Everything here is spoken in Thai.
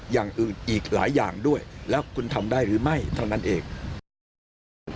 วันหรือปีเดือนมันก็ทำให้กระทบขอสอชอบอยู่ดี